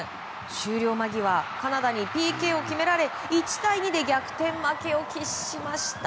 終了間際カナダにＰＫを決められ１対２で逆転負けを喫しました。